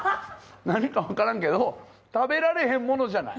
何か分からんけど食べられへんものじゃない。